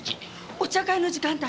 お茶会の時間帯？